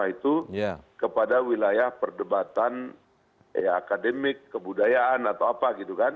itu kepada wilayah perdebatan akademik kebudayaan atau apa gitu kan